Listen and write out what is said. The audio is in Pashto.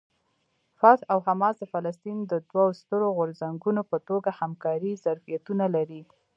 فتح او حماس د فلسطین د دوو سترو غورځنګونو په توګه همکارۍ ظرفیتونه لري.